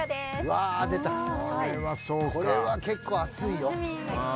これは結構熱いよ。